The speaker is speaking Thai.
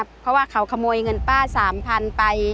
เพราะว่าเขาขโมยเงินป้า๓๐๐๐ไป